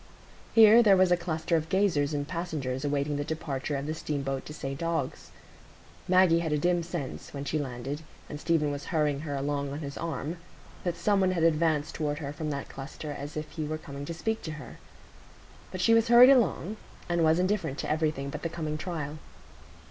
Here there was a cluster of gazers and passengers awaiting the departure of the steamboat to St Ogg's. Maggie had a dim sense, when she had landed, and Stephen was hurrying her along on his arm, that some one had advanced toward her from that cluster as if he were coming to speak to her. But she was hurried along, and was indifferent to everything but the coming trial.